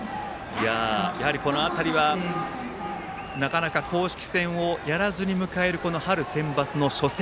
この辺りはなかなか公式戦をやらずに迎えるこの春センバツの初戦。